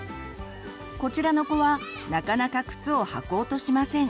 こちらの子はなかなか靴をはこうとしません。